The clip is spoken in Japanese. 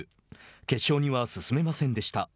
決勝には進めませんでした。